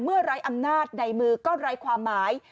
ไร้อำนาจในมือก็ไร้ความหมาย